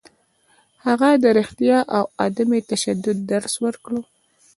هغه د رښتیا او عدم تشدد درس ورکړ.